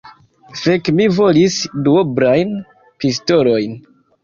Fek! mi volis duoblajn pistolojn.